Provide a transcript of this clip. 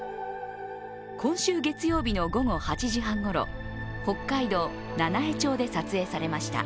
今週月曜日の午後８時半ごろ、北海道七飯町で撮影されました。